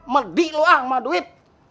medih lu ama duit